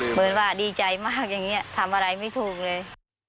เหมือนว่าดีใจมากอย่างนี้ทำอะไรไม่ถูกเลย